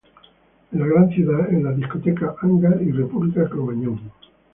En la gran ciudad´" en las Discotecas "Hangar" y "República Cromañón".